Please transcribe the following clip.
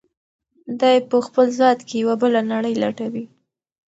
دی په خپل ذات کې یوه بله نړۍ لټوي.